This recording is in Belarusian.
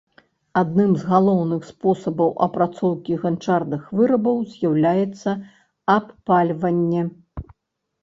Адным з галоўных спосабаў апрацоўкі ганчарных вырабаў з'яўлялася абпальванне.